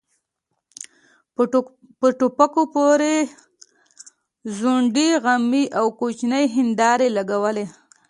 په ټوپکو پورې ځونډۍ غمي او کوچنۍ هيندارې لګوي.